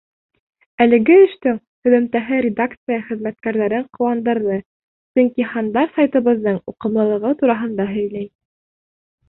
Әлеге эштең һөҙөмтәһе редакция хеҙмәткәрҙәрен ҡыуандырҙы, сөнки һандар сайтыбыҙҙың уҡымлылығы тураһында һөйләй.